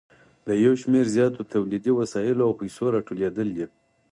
د یو شمېر زیاتو تولیدي وسایلو او پیسو راټولېدل دي